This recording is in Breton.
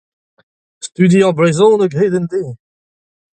Studiañ brezhoneg a-hed an deiz.